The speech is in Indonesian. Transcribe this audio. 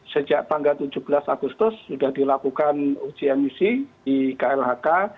sejak tanggal tujuh belas agustus sudah dilakukan uji emisi di klhk